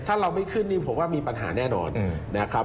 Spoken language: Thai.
ถ้าเราไม่ขึ้นนี่ผมว่ามีปัญหาแน่นอนนะครับ